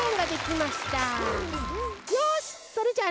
よしそれじゃあね